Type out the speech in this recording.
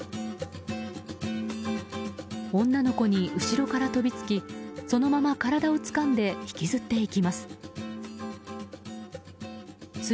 女の子に後ろから飛びつきそのまま体をつかんで引きずっていきます。